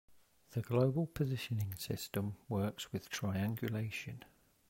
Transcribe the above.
The global positioning system works with triangulation.